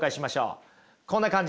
こんな感じです。